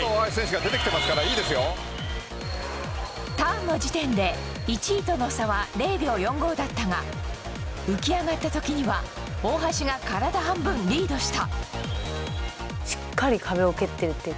ターンの時点で２位との差は０．４５秒だったが浮き上がった時には体半分リードした。